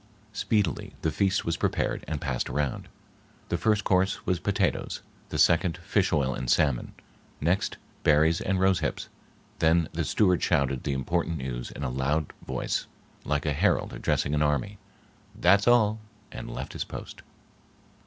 Speedily the feast was prepared and passed around. The first course was potatoes, the second fish oil and salmon, next berries and rose hips; then the steward shouted the important news, in a loud voice like a herald addressing an army, "That's all!" and left his post.